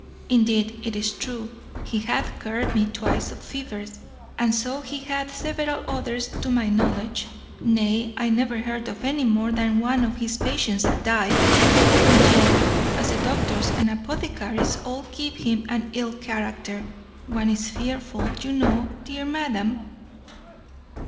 Indeed, it is true, he hath cured me twice of fevers, and so he hath several others to my knowledge; nay, I never heard of any more than one of his patients that died; and yet, as the doctors and apothecaries all give him an ill character, one is fearful, you know, dear madam."